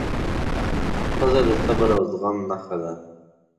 ښځه د صبر او زغم نښه ده.